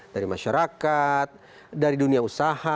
dari masyarakat dari dunia usaha